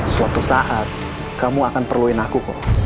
suatu saat kamu akan perluin aku kok